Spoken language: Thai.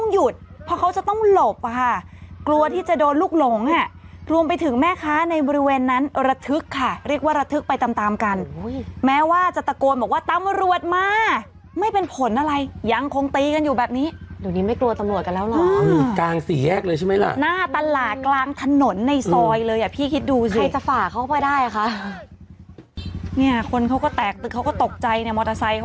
ยอรึมฐานแล้วนะคะเรียกว่าระทึกไปตามกันแม้ว่าจะตะโกนว่าต้องรวดมาไม่เป็นผลอะไรยังคงตีกันอยู่แบบนี้หลีบ